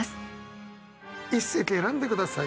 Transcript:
一席選んで下さい。